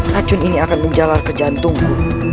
racun ini akan menjalar kerjaan tunggu